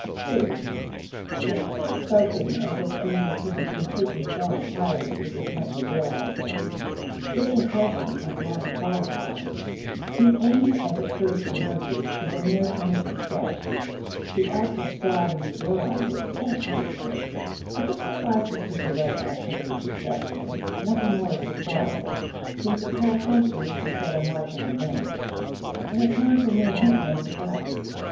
(2) We have spoken as if aims could be completely formed prior to the attempt to realize them. This impression must now be qualified. The aim as it first emerges is a mere tentative sketch. The act of striving to realize it tests its worth. If it suffices to direct activity successfully, nothing more is required, since its whole function is to set a mark in advance; and at times a mere hint may suffice.